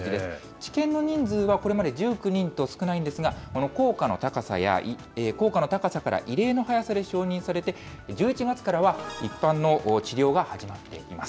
治験の人数はこれまで１９人と少ないんですが、この効果の高さから異例の早さで承認されて、１１月からは、一般の治療が始まっています。